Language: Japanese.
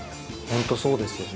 本当そうですよね。